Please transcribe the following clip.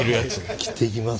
切っていきます。